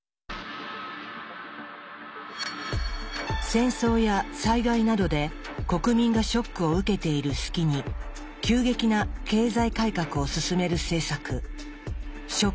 戦争や災害などで国民がショックを受けている隙に急激な経済改革を進める政策「ショック・ドクトリン」。